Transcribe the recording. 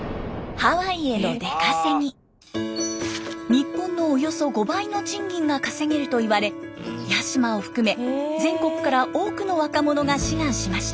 日本のおよそ５倍の賃金が稼げるといわれ八島を含め全国から多くの若者が志願しました。